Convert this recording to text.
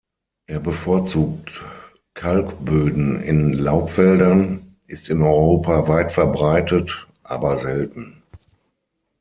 Er bevorzugt Kalkböden in Laubwäldern, ist in Europa weit verbreitet, aber selten.